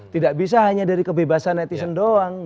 tidak bisa hanya dari kebebasan netizen doang